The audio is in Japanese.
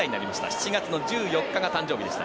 ７月１４日が誕生日でした。